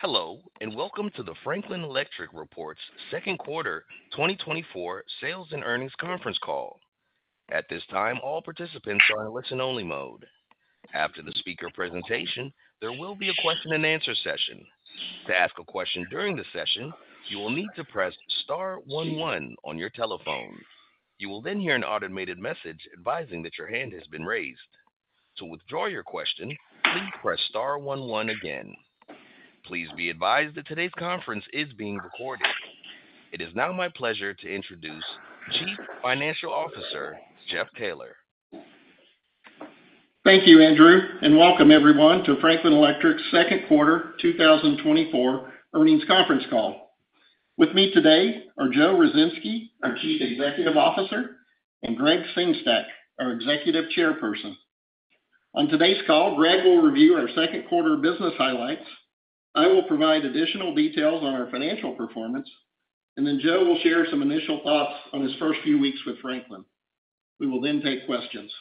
Hello, and welcome to the Franklin Electric reports second quarter 2024 sales and earnings conference call. At this time, all participants are in listen-only mode. After the speaker presentation, there will be a question and answer session. To ask a question during the session, you will need to press star one one on your telephone. You will then hear an automated message advising that your hand has been raised. To withdraw your question, please press star one one again. Please be advised that today's conference is being recorded. It is now my pleasure to introduce Chief Financial Officer, Jeff Taylor. Thank you, Andrew, and welcome everyone to Franklin Electric's second quarter 2024 earnings conference call. With me today are Joe Ruzynski, our Chief Executive Officer, and Gregg Sengstack, our Executive Chairperson. On today's call, Gregg will review our second quarter business highlights. I will provide additional details on our financial performance, and then Joe will share some initial thoughts on his first few weeks with Franklin. We will then take questions.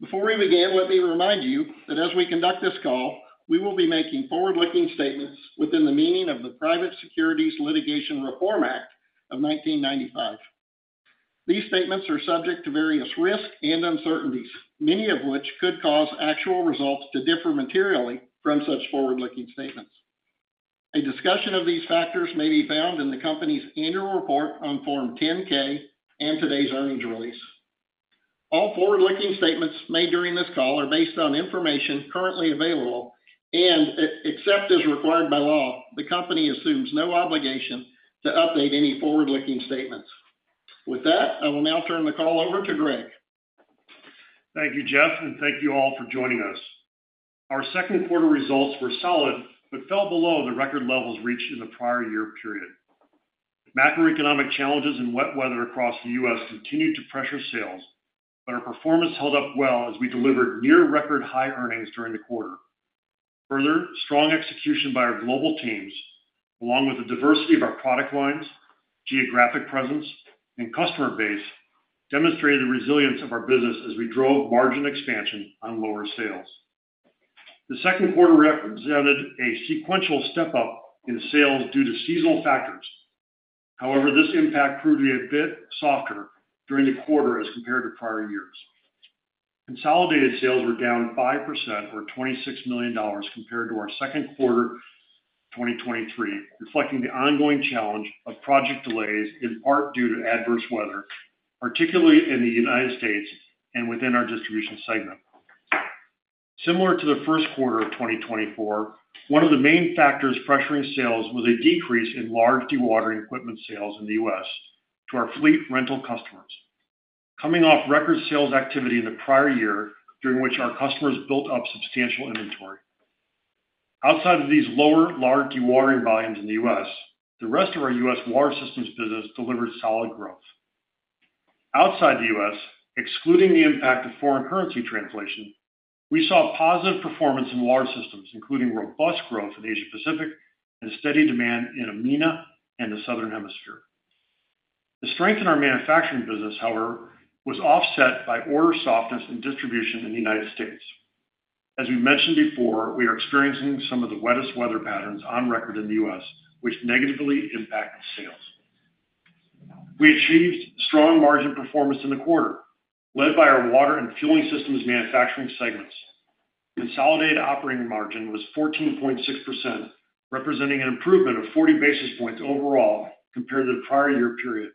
Before we begin, let me remind you that as we conduct this call, we will be making forward-looking statements within the meaning of the Private Securities Litigation Reform Act of 1995. These statements are subject to various risks and uncertainties, many of which could cause actual results to differ materially from such forward-looking statements. A discussion of these factors may be found in the company's annual report on Form 10-K and today's earnings release. All forward-looking statements made during this call are based on information currently available, and except as required by law, the company assumes no obligation to update any forward-looking statements. With that, I will now turn the call over to Gregg. Thank you, Jeff, and thank you all for joining us. Our second quarter results were solid, but fell below the record levels reached in the prior year period. Macroeconomic challenges and wet weather across the U.S. continued to pressure sales, but our performance held up well as we delivered near record high earnings during the quarter. Further, strong execution by our global teams, along with the diversity of our product lines, geographic presence, and customer base, demonstrated the resilience of our business as we drove margin expansion on lower sales. The second quarter represented a sequential step up in sales due to seasonal factors. However, this impact proved to be a bit softer during the quarter as compared to prior years. Consolidated sales were down 5% or $26 million compared to our second quarter 2023, reflecting the ongoing challenge of project delays, in part due to adverse weather, particularly in the United States and within our Distribution segment. Similar to the first quarter of 2024, one of the main factors pressuring sales was a decrease in large dewatering equipment sales in the U.S. to our fleet rental customers, coming off record sales activity in the prior year, during which our customers built up substantial inventory. Outside of these lower large dewatering volumes in the U.S., the rest of our U.S. Water Systems business delivered solid growth. Outside the U.S., excluding the impact of foreign currency translation, we saw positive performance in Water Systems, including robust growth in Asia Pacific and steady demand in EMEA and the Southern Hemisphere. The strength in our manufacturing business, however, was offset by order softness and distribution in the United States. As we mentioned before, we are experiencing some of the wettest weather patterns on record in the U.S., which negatively impact sales. We achieved strong margin performance in the quarter, led by our Water Systems and Fueling Systems manufacturing segments. Consolidated operating margin was 14.6%, representing an improvement of 40 basis points overall compared to the prior year period.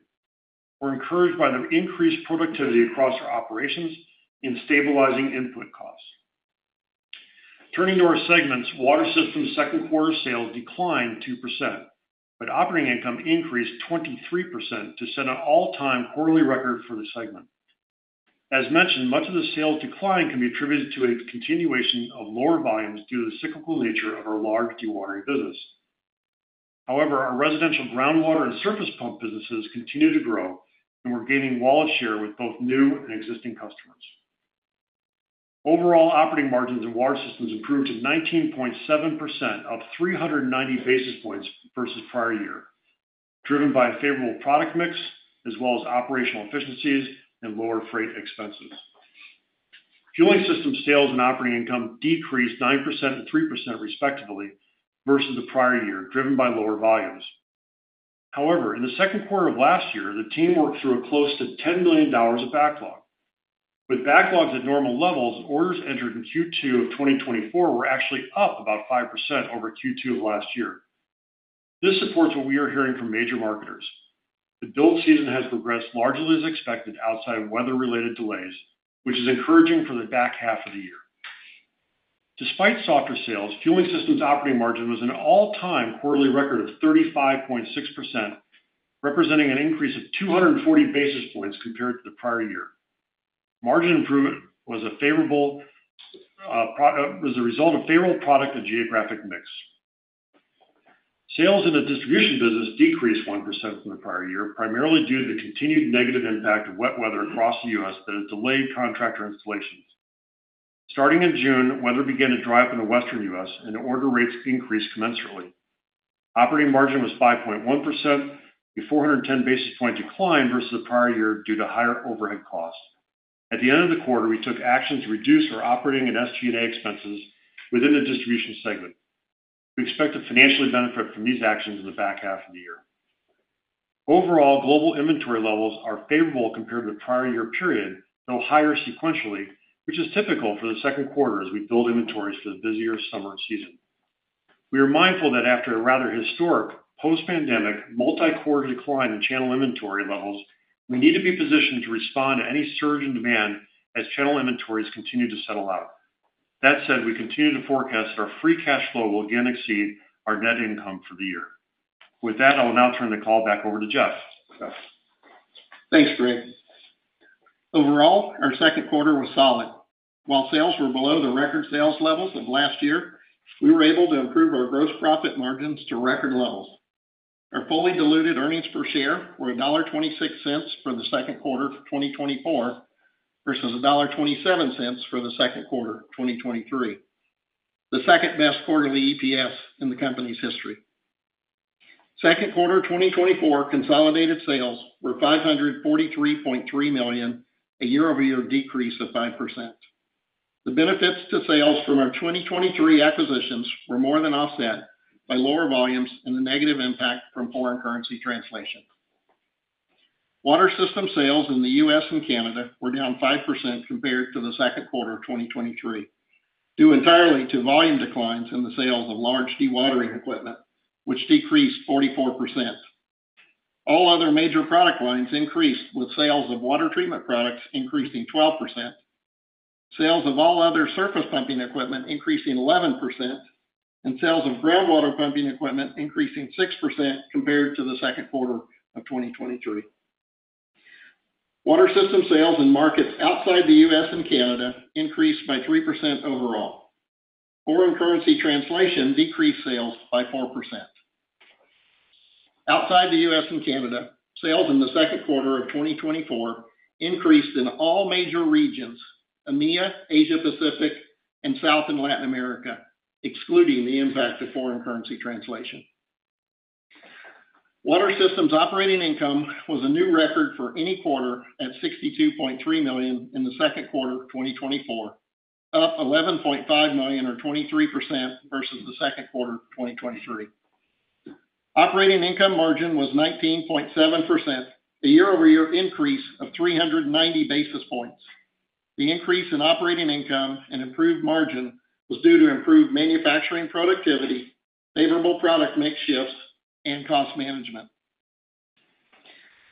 We're encouraged by the increased productivity across our operations in stabilizing input costs. Turning to our segments, Water Systems second quarter sales declined 2%, but operating income increased 23% to set an all-time quarterly record for the segment. As mentioned, much of the sales decline can be attributed to a continuation of lower volumes due to the cyclical nature of our large dewatering business. However, our residential groundwater and surface pump businesses continue to grow, and we're gaining wallet share with both new and existing customers. Overall, operating margins in Water Systems improved to 19.7%, up 390 basis points versus prior year, driven by a favorable product mix as well as operational efficiencies and lower freight expenses. Fueling Systems sales and operating income decreased 9% and 3%, respectively, versus the prior year, driven by lower volumes. However, in the second quarter of last year, the team worked through a close to $10 million of backlog. With backlogs at normal levels, orders entered in Q2 of 2024 were actually up about 5% over Q2 of last year. This supports what we are hearing from major marketers. The build season has progressed largely as expected outside of weather-related delays, which is encouraging for the back half of the year. Despite softer sales, Fueling Systems operating margin was an all-time quarterly record of 35.6%, representing an increase of 240 basis points compared to the prior year. Margin improvement was a result of favorable product and geographic mix. Sales in the Distribution business decreased 1% from the prior year, primarily due to the continued negative impact of wet weather across the U.S. that has delayed contractor installations. Starting in June, weather began to dry up in the western U.S. and order rates increased commensurately. Operating margin was 5.1%, a 410 basis points decline versus the prior year due to higher overhead costs. At the end of the quarter, we took action to reduce our operating and SG&A expenses within the Distribution segment. We expect to financially benefit from these actions in the back half of the year. Overall, global inventory levels are favorable compared to the prior year period, though higher sequentially, which is typical for the second quarter as we build inventories for the busier summer season. We are mindful that after a rather historic post-pandemic, multi-quarter decline in channel inventory levels, we need to be positioned to respond to any surge in demand as channel inventories continue to settle out. That said, we continue to forecast our free cash flow will again exceed our net income for the year. With that, I will now turn the call back over to Jeff. Jeff? Thanks, Gregg. Overall, our second quarter was solid. While sales were below the record sales levels of last year, we were able to improve our gross profit margins to record levels. Our fully diluted earnings per share were $1.26 for the second quarter of 2024, versus $1.27 for the second quarter of 2023. The second-best quarterly EPS in the company's history. Second quarter 2024 consolidated sales were $543.3 million, a year-over-year decrease of 5%. The benefits to sales from our 2023 acquisitions were more than offset by lower volumes and the negative impact from foreign currency translation. Water Systems sales in the U.S. and Canada were down 5% compared to the second quarter of 2023, due entirely to volume declines in the sales of large dewatering equipment, which decreased 44%. All other major product lines increased, with sales of Water treatment products increasing 12%, sales of all other surface pumping equipment increasing 11%, and sales of groundwater pumping equipment increasing 6% compared to the second quarter of 2023. Water Systems sales in markets outside the U.S. and Canada increased by 3% overall. Foreign currency translation decreased sales by 4%. Outside the U.S. and Canada, sales in the second quarter of 2024 increased in all major regions, EMEA, Asia Pacific, and South America and Latin America, excluding the impact of foreign currency translation. Water Systems operating income was a new record for any quarter at $62.3 million in the second quarter of 2024, up $11.5 million, or 23% versus the second quarter of 2023. Operating income margin was 19.7%, a year-over-year increase of 390 basis points. The increase in operating income and improved margin was due to improved manufacturing productivity, favorable product mix shifts, and cost management.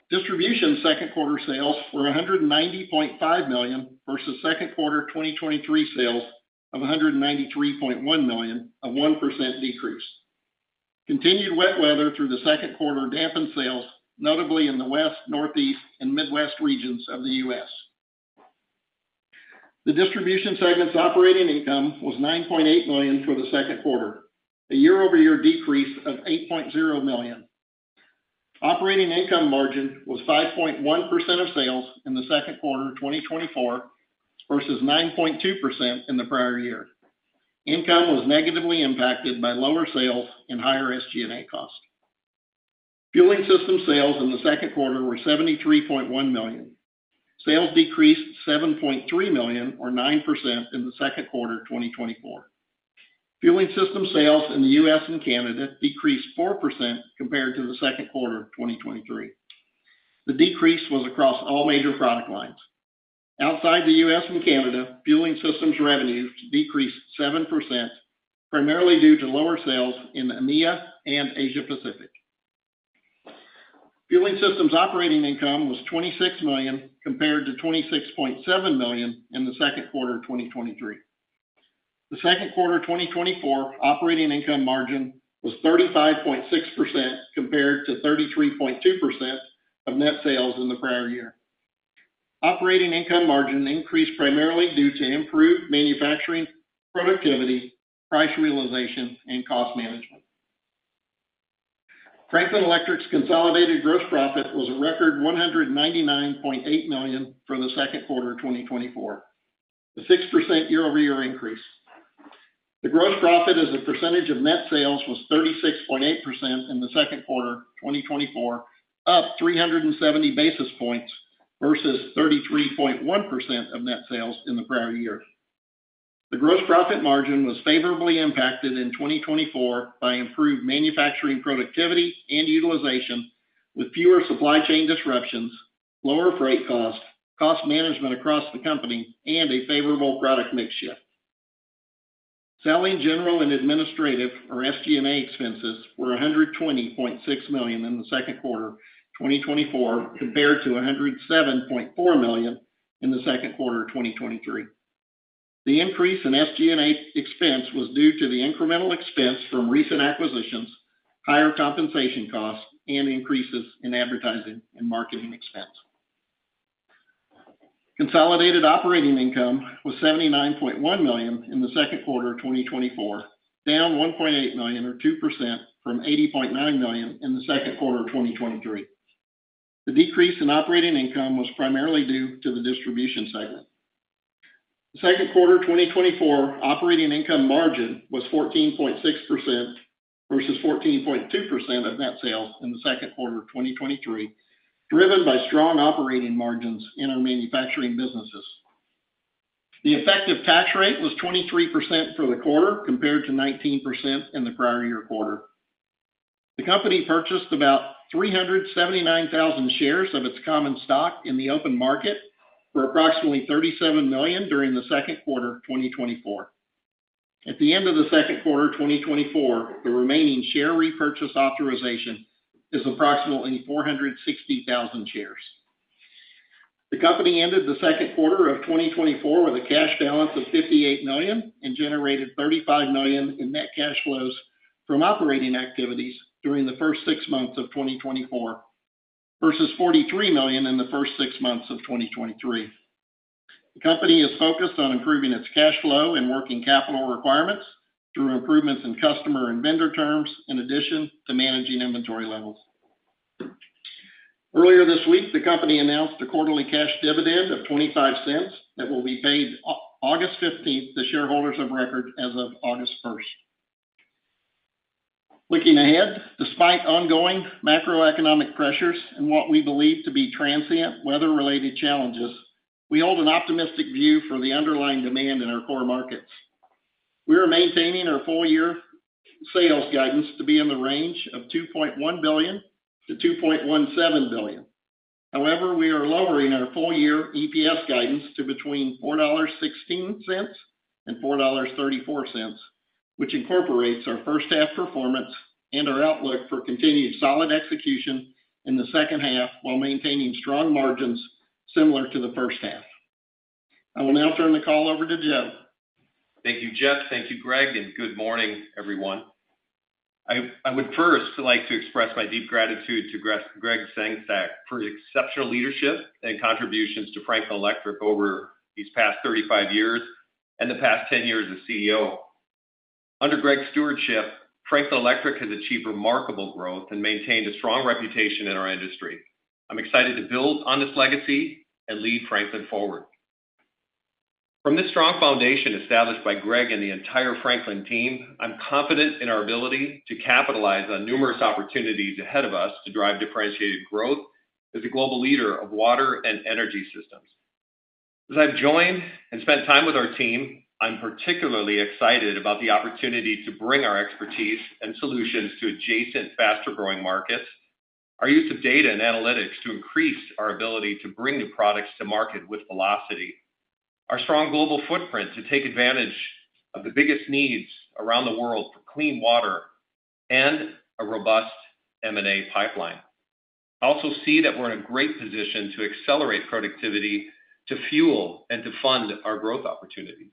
Distribution second quarter sales were $190.5 million, versus second quarter 2023 sales of $193.1 million, a 1% decrease. Continued wet weather through the second quarter dampened sales, notably in the West, Northeast, and Midwest regions of the U.S. The Distribution segment's operating income was $9.8 million for the second quarter, a year-over-year decrease of $8.0 million. Operating income margin was 5.1% of sales in the second quarter of 2024, versus 9.2% in the prior year. Income was negatively impacted by lower sales and higher SG&A costs. Fueling Systems sales in the second quarter were $73.1 million. Sales decreased $7.3 million, or 9% in the second quarter of 2024. Fueling Systems sales in the U.S. and Canada decreased 4% compared to the second quarter of 2023. The decrease was across all major product lines. Outside the U.S. and Canada, Fueling Systems revenue decreased 7%, primarily due to lower sales in EMEA and Asia Pacific. Fueling Systems operating income was $26 million, compared to $26.7 million in the second quarter of 2023. The second quarter of 2024, operating income margin was 35.6%, compared to 33.2% of net sales in the prior year. Operating income margin increased primarily due to improved manufacturing, productivity, price realization, and cost management. Franklin Electric's consolidated gross profit was a record $199.8 million for the second quarter of 2024, a 6% year-over-year increase. The gross profit as a percentage of net sales was 36.8% in the second quarter of 2024, up 370 basis points versus 33.1% of net sales in the prior year. The gross profit margin was favorably impacted in 2024 by improved manufacturing, productivity, and utilization, with fewer supply chain disruptions, lower freight costs, cost management across the company, and a favorable product mix shift. Selling, general, and administrative or SG&A expenses were $120.6 million in the second quarter of 2024, compared to $107.4 million in the second quarter of 2023. The increase in SG&A expense was due to the incremental expense from recent acquisitions, higher compensation costs, and increases in advertising and marketing expense. Consolidated operating income was $79.1 million in the second quarter of 2024, down $1.8 million or 2% from $80.9 million in the second quarter of 2023. The decrease in operating income was primarily due to the Distribution segment. Second quarter 2024 operating income margin was 14.6% versus 14.2% of net sales in the second quarter of 2023, driven by strong operating margins in our manufacturing businesses. The effective tax rate was 23% for the quarter, compared to 19% in the prior year quarter. The company purchased about 379,000 shares of its common stock in the open market for approximately $37 million during the second quarter of 2024. At the end of the second quarter 2024, the remaining share repurchase authorization is approximately 460,000 shares. The company ended the second quarter of 2024 with a cash balance of $58 million and generated $35 million in net cash flows from operating activities during the first six months of 2024, versus $43 million in the first six months of 2023. The company is focused on improving its cash flow and working capital requirements through improvements in customer and vendor terms, in addition to managing inventory levels. Earlier this week, the company announced a quarterly cash dividend of $0.25 that will be paid August 15th to shareholders of record as of August 1st. Looking ahead, despite ongoing macroeconomic pressures and what we believe to be transient, weather-related challenges, we hold an optimistic view for the underlying demand in our core markets. We are maintaining our full year sales guidance to be in the range of $2.1 billion-$2.17 billion. However, we are lowering our full year EPS guidance to between $4.16 and $4.34, which incorporates our first half performance and our outlook for continued solid execution in the second half, while maintaining strong margins similar to the first half. I will now turn the call over to Joe. Thank you, Jeff. Thank you, Gregg, and good morning, everyone. I would first like to express my deep gratitude to Gregg Sengstack for his exceptional leadership and contributions to Franklin Electric over these past 35 years and the past 10 years as CEO. Under Gregg's stewardship, Franklin Electric has achieved remarkable growth and maintained a strong reputation in our industry. I'm excited to build on this legacy and lead Franklin forward. From this strong foundation established by Gregg and the entire Franklin team, I'm confident in our ability to capitalize on numerous opportunities ahead of us to drive differentiated growth as a global leader of Water and Energy Systems. As I've joined and spent time with our team, I'm particularly excited about the opportunity to bring our expertise and solutions to adjacent, faster-growing markets. Our use of data and analytics to increase our ability to bring new products to market with velocity, our strong global footprint to take advantage of the biggest needs around the world for clean water and a robust M&A pipeline. I also see that we're in a great position to accelerate productivity, to fuel and to fund our growth opportunities.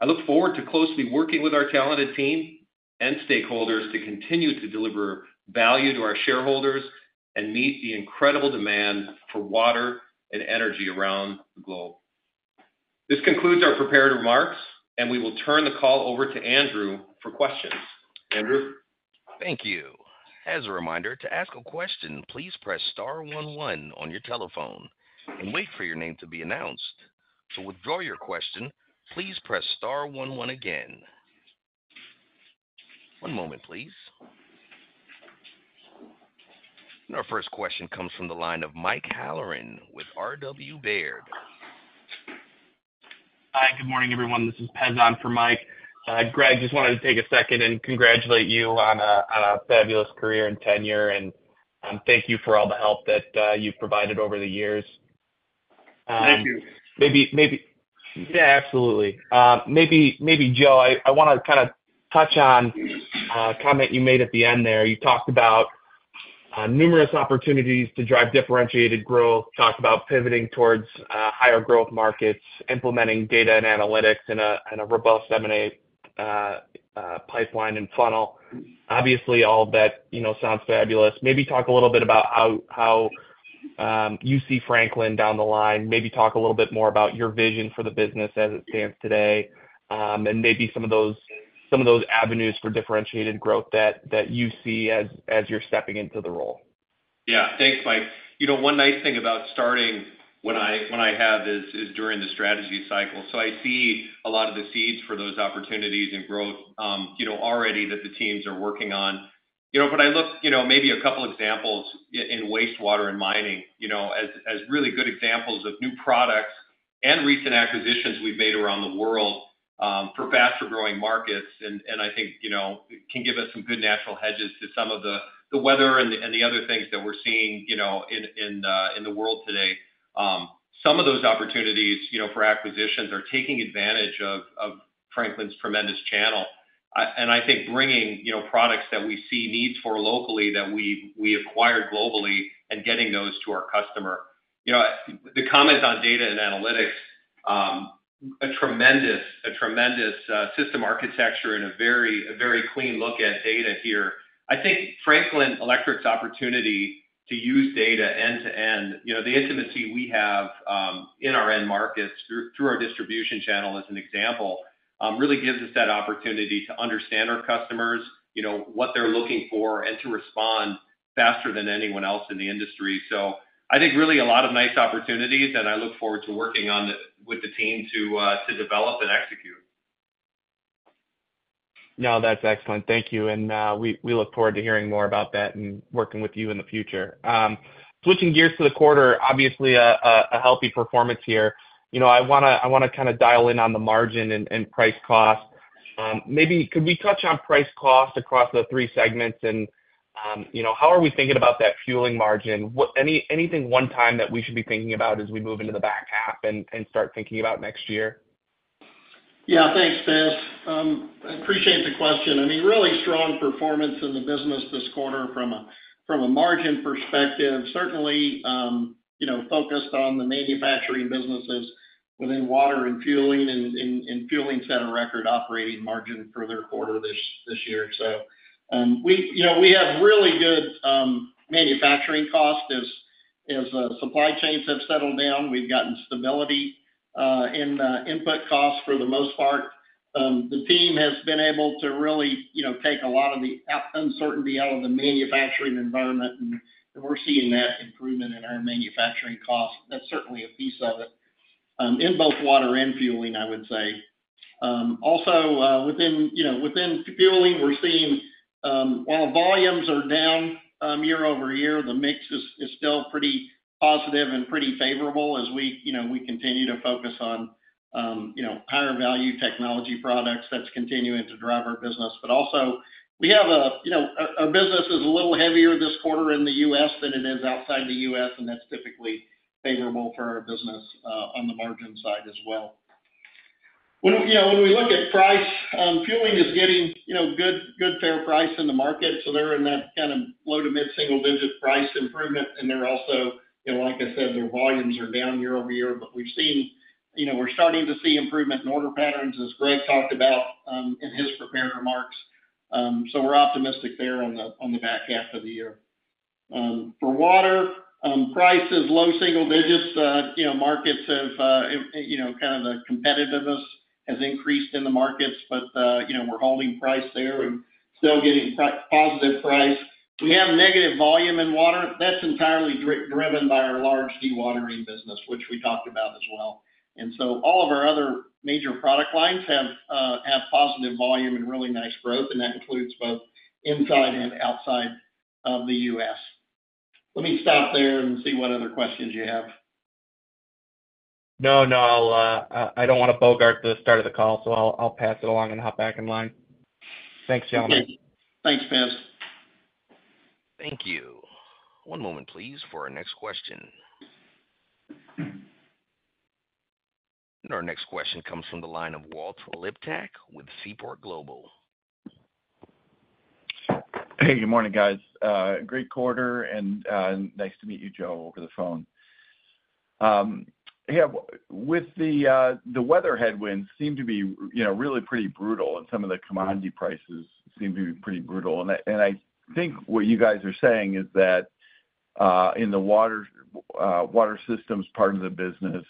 I look forward to closely working with our talented team and stakeholders to continue to deliver value to our shareholders and meet the incredible demand for Water and Energy around the globe. This concludes our prepared remarks, and we will turn the call over to Andrew for questions. Andrew? Thank you. As a reminder, to ask a question, please press star one one on your telephone and wait for your name to be announced. To withdraw your question, please press star one one again. One moment, please. And our first question comes from the line of Mike Halloran with RW Baird. Hi, good morning, everyone. This is Chris on for Mike. Gregg, just wanted to take a second and congratulate you on a fabulous career and tenure, and thank you for all the help that you've provided over the years. Thank you. Yeah, absolutely. Maybe, Joe, I wanna kind of touch on a comment you made at the end there. You talked about numerous opportunities to drive differentiated growth, talked about pivoting towards higher growth markets, implementing data and analytics in a robust M&A pipeline and funnel. Obviously, all of that, you know, sounds fabulous. Maybe talk a little bit about how you see Franklin down the line. Maybe talk a little bit more about your vision for the business as it stands today, and maybe some of those avenues for differentiated growth that you see as you're stepping into the role. Yeah. Thanks, Mike. You know, one nice thing about starting when I have is during the strategy cycle. So I see a lot of the seeds for those opportunities and growth, you know, already that the teams are working on. You know, but I look, you know, maybe a couple of examples in wastewater and mining, you know, as really good examples of new products and recent acquisitions we've made around the world, for faster-growing markets. And I think, you know, it can give us some good natural hedges to some of the weather and the other things that we're seeing, you know, in the world today. Some of those opportunities, you know, for acquisitions are taking advantage of Franklin's tremendous channel. And I think bringing, you know, products that we see needs for locally, that we acquired globally and getting those to our customer. You know, the comments on data and analytics, a tremendous system architecture and a very clean look at data here. I think Franklin Electric's opportunity to use data end-to-end, you know, the intimacy we have in our end markets through our distribution channel, as an example, really gives us that opportunity to understand our customers, you know, what they're looking for, and to respond faster than anyone else in the industry. So I think really a lot of nice opportunities, and I look forward to working on the, with the team to, to develop and execute. No, that's excellent. Thank you, and we look forward to hearing more about that and working with you in the future. Switching gears to the quarter, obviously, a healthy performance here. You know, I wanna kind of dial in on the margin and price cost. Maybe could we touch on price cost across the three segments? And, you know, how are we thinking about that fueling margin? What-- anything one time that we should be thinking about as we move into the back half and start thinking about next year? Yeah, thanks, Chris. I appreciate the question. I mean, really strong performance in the business this quarter from a margin perspective. Certainly, you know, focused on the manufacturing businesses within Water and Fueling, and fueling set a record operating margin for their quarter this year. So, we, you know, we have really good manufacturing costs. As supply chains have settled down, we've gotten stability in the input costs for the most part. The team has been able to really, you know, take a lot of the uncertainty out of the manufacturing environment, and we're seeing that improvement in our manufacturing costs. That's certainly a piece of it, in both Water and Fueling, I would say. Also, within fueling, we're seeing, while volumes are down year-over-year, the mix is still pretty positive and pretty favorable as we, you know, we continue to focus on, you know, higher value technology products that's continuing to drive our business. But also, we have, you know, our business is a little heavier this quarter in the U.S. than it is outside the U.S., and that's typically favorable for our business on the margin side as well. When, you know, when we look at price, fueling is getting, you know, good, good fair price in the market, so they're in that kind of low to mid-single digit price improvement, and they're also, you know, like I said, their volumes are down year-over-year, but we've seen, you know, we're starting to see improvement in order patterns, as Gregg talked about, in his prepared remarks. So we're optimistic there on the, on the back half of the year. For Water, prices, low single digits. You know, markets have, you know, kind of the competitiveness has increased in the markets, but, you know, we're holding price there and still getting positive price. We have negative volume in Water. That's entirely driven by our large dewatering business, which we talked about as well. So all of our other major product lines have positive volume and really nice growth, and that includes both inside and outside of the U.S. Let me stop there and see what other questions you have. No, no. I don't want to bogart the start of the call, so I'll pass it along and hop back in line. Thanks, gentlemen. Okay. Thanks, Chris. Thank you. One moment, please, for our next question. Our next question comes from the line of Walter Liptak with Seaport Global. Hey, good morning, guys. Great quarter, and nice to meet you, Joe, over the phone. Yeah, with the weather headwinds seem to be, you know, really pretty brutal and some of the commodity prices seem to be pretty brutal. And I think what you guys are saying is that in the Water Systems part of the business,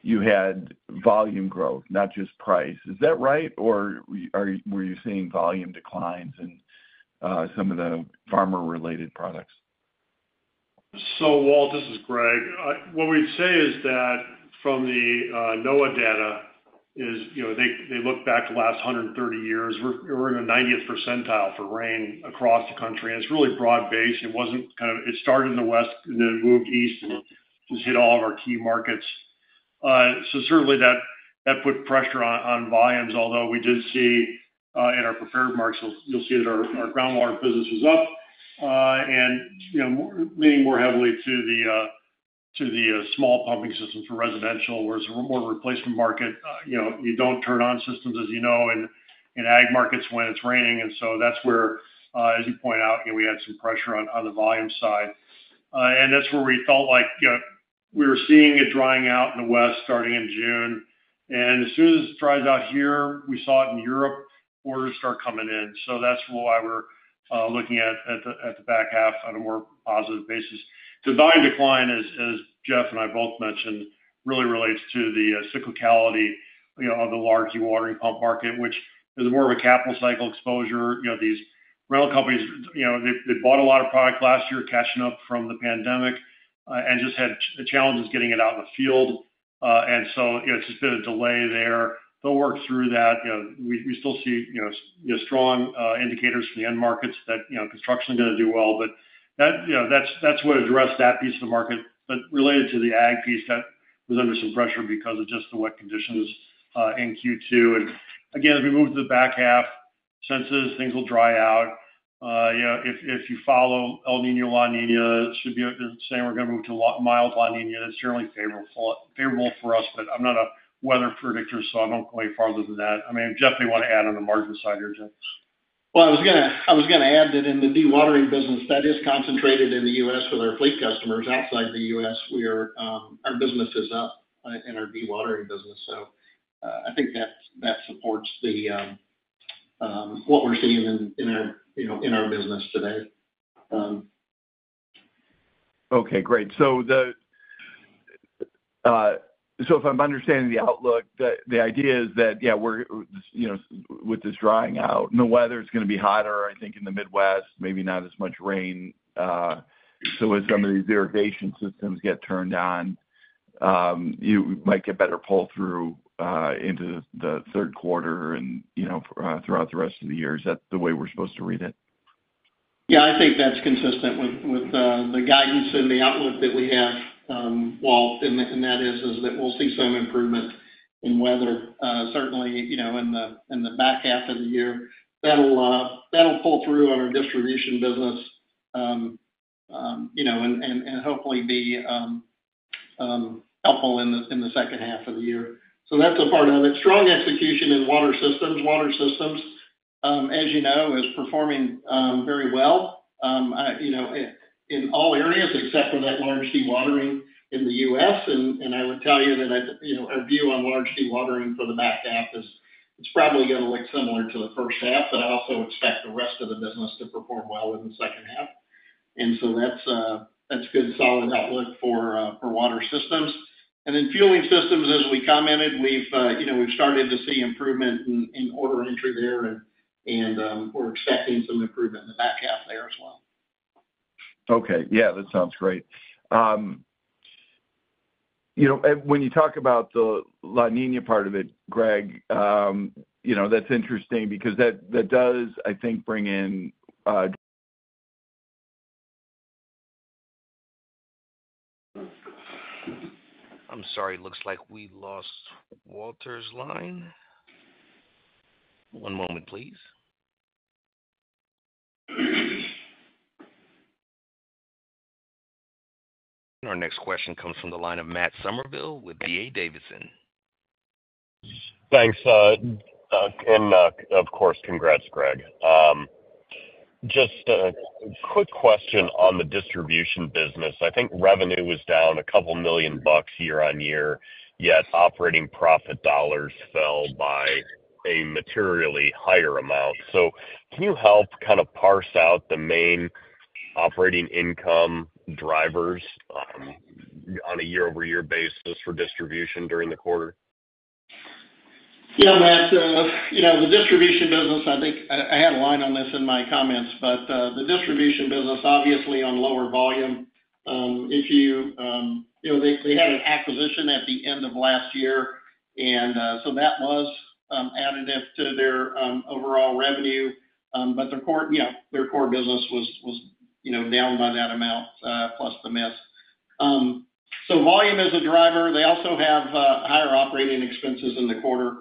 you had volume growth, not just price. Is that right, or we— are you— were you seeing volume declines in some of the farmer-related products? So Walt, this is Gregg. What we'd say is that from the NOAA data, you know, they look back the last 130 years, we're in the ninetieth percentile for rain across the country, and it's really broad-based. It started in the west, and then it moved east, and just hit all of our key markets. So certainly that put pressure on volumes, although we did see in our prepared remarks, you'll see that our groundwater business was up, and you know, leaning more heavily to the small pumping systems for residential, where it's more of a replacement market. You know, you don't turn on systems, as you know, in ag markets when it's raining, and so that's where, as you point out, you know, we had some pressure on the volume side. And that's where we felt like we were seeing it drying out in the west starting in June. And as soon as it dries out here, we saw it in Europe, orders start coming in. So that's why we're looking at the back half on a more positive basis. The volume decline is, as Jeff and I both mentioned, really relates to the cyclicality, you know, of the large dewatering pump market, which is more of a capital cycle exposure. You know, these rental companies, you know, they bought a lot of product last year, catching up from the pandemic, and just had challenges getting it out in the field. And so, you know, it's just been a delay there. They'll work through that. You know, we still see, you know, strong indicators for the end markets that, you know, construction is gonna do well. But that, you know, that's where it addressed that piece of the market. But related to the ag piece, that was under some pressure because of just the wet conditions in Q2. And again, as we move to the back half, sense is, things will dry out. You know, if you follow El Niño, La Niña, should be the same. We're gonna move to mild La Niña. That's certainly favorable, favorable for us, but I'm not a weather predictor, so I don't go any farther than that. I mean, Jeff, do you want to add on the margin side here, Jeff? Well, I was gonna add that in the dewatering business, that is concentrated in the U.S. with our fleet customers. Outside the U.S., our business is up in our dewatering business. So, I think that supports what we're seeing in our, you know, in our business today. Okay, great. So if I'm understanding the outlook, the idea is that, yeah, we're, you know, with this drying out and the weather's gonna be hotter, I think, in the Midwest, maybe not as much rain. So as some of these irrigation systems get turned on, you might get better pull-through into the third quarter and, you know, throughout the rest of the year. Is that the way we're supposed to read it? Yeah, I think that's consistent with the guidance and the outlook that we have, Walt, and that is that we'll see some improvement in weather, certainly, you know, in the back half of the year. That'll pull through on our distribution business, you know, and hopefully be helpful in the second half of the year. So that's a part of it. Strong execution in Water Systems. Water Systems, as you know, is performing very well, you know, in all areas except for that large dewatering in the U.S. I would tell you that, you know, our view on large dewatering for the back half is it's probably gonna look similar to the first half, but I also expect the rest of the business to perform well in the second half. So that's good, solid outlook for Water Systems. Then Fueling Systems, as we commented, we've, you know, we've started to see improvement in order entry there, and we're expecting some improvement in the back half there as well. Okay. Yeah, that sounds great. You know, and when you talk about the La Niña part of it, Gregg, you know, that's interesting because that, that does, I think, bring in, I'm sorry, it looks like we lost Walter's line. One moment, please. Our next question comes from the line of Matt Summerville with D.A. Davidson. Thanks, and of course, congrats, Gregg. Just a quick question on the distribution business. I think revenue was down $2 million year-over-year, yet operating profit dollars fell by a materially higher amount. So can you help kind of parse out the main operating income drivers, on a year-over-year basis for distribution during the quarter? Yeah, Matt, you know, the distribution business, I think I had a line on this in my comments, but the distribution business, obviously on lower volume, if you know. They had an acquisition at the end of last year, and so that was additive to their overall revenue. But their core, you know, their core business was down by that amount, plus the miss. So volume is a driver. They also have higher operating expenses in the quarter.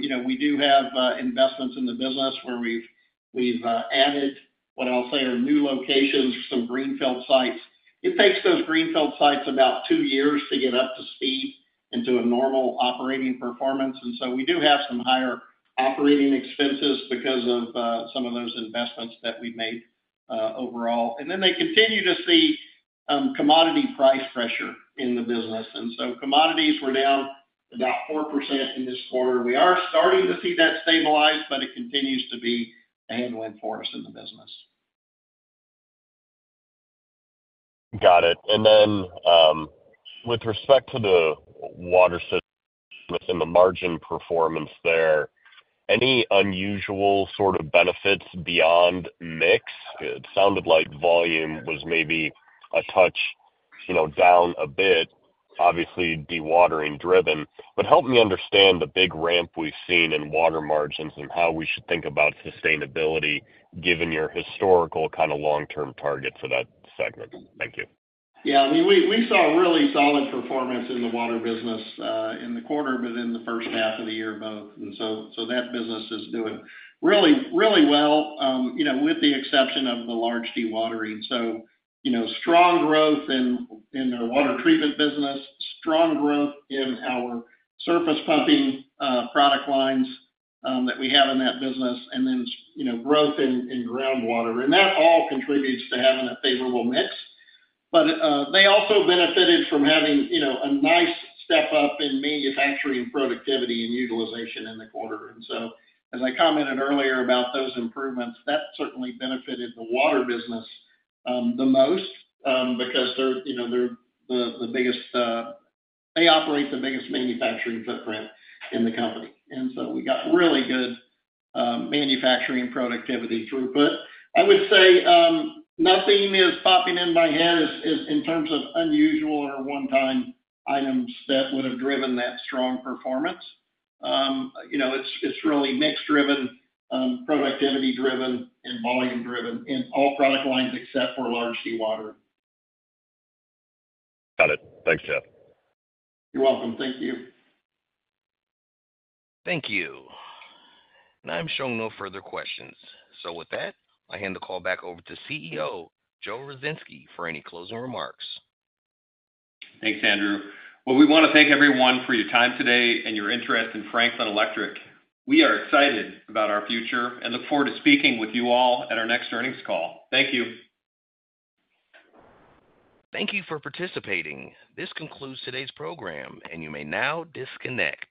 You know, we do have investments in the business where we've added what I'll say are new locations, some greenfield sites. It takes those greenfield sites about two years to get up to speed into a normal operating performance. And so we do have some higher operating expenses because of some of those investments that we've made, overall. And then they continue to see commodity price pressure in the business, and so commodities were down about 4% in this quarter. We are starting to see that stabilize, but it continues to be a headwind for us in the business. Got it. And then, with respect to the Water Systems and the margin performance there, any unusual sort of benefits beyond mix? It sounded like volume was maybe a touch, you know, down a bit, obviously dewatering driven. But help me understand the big ramp we've seen in Water margins and how we should think about sustainability, given your historical kind of long-term targets for that segment. Thank you. Yeah, we saw really solid performance in the Water business in the quarter, but in the first half of the year, both. So that business is doing really, really well, you know, with the exception of the large dewatering. So, you know, strong growth in our Water treatment business, strong growth in our surface pumping product lines that we have in that business, and then, you know, growth in groundwater. And that all contributes to having a favorable mix. But they also benefited from having, you know, a nice step up in manufacturing productivity and utilization in the quarter. And so as I commented earlier about those improvements, that certainly benefited the Water business the most, because they're, you know, they're the biggest; they operate the biggest manufacturing footprint in the company. We got really good manufacturing productivity throughput. I would say nothing is popping in my head as in terms of unusual or one-time items that would have driven that strong performance. You know, it's really mix driven, productivity driven, and volume driven in all product lines except for large dewatering. Got it. Thanks, Jeff. You're welcome. Thank you. Thank you. Now I'm showing no further questions. So with that, I hand the call back over to CEO, Joe Ruzynski, for any closing remarks. Thanks, Andrew. Well, we want to thank everyone for your time today and your interest in Franklin Electric. We are excited about our future and look forward to speaking with you all at our next earnings call. Thank you. Thank you for participating. This concludes today's program, and you may now disconnect.